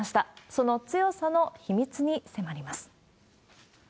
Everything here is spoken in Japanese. その強さの秘密に迫ります。